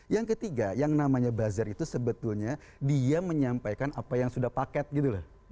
yang ketiga yang namanya buzzer itu sebetulnya dia menyampaikan apa yang sudah paket gitu loh